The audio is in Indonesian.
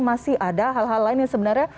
masih ada hal hal lain yang sebenarnya